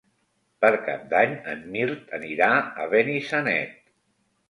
Per Cap d'Any en Mirt anirà a Benissanet.